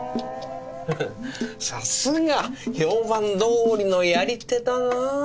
さすが！評判どおりのやり手だな。